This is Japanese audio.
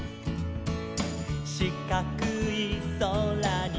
「しかくいそらに」